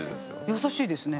優しいですね。